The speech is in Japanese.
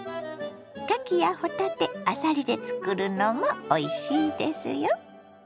かきやほたてあさりで作るのもおいしいですよ。